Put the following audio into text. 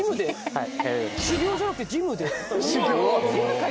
はい。